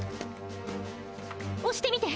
おしてみて！